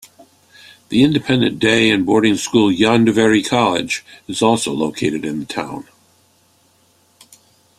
The independent day and boarding school Llandovery College is also located in the town.